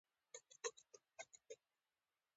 د ژبپوهنې او ادبیاتو اړیکې پکې څیړل کیږي.